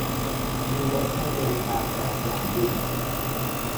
มีรถให้บริการจากสนามบิน